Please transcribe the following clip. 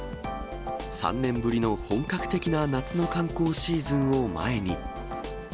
３年ぶりの本格的な夏の観光シーズンを前に。